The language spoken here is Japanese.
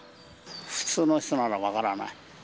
普通の人なら分からない。